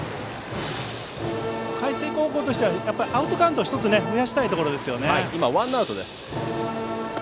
海星高校としてはアウトカウントを１つ増やしたいところですね。